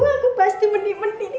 aku pasti menik menik